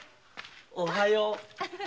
おはよう。